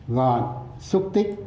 gọn xúc tích